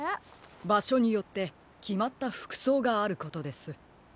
ばしょによってきまったふくそうがあることです。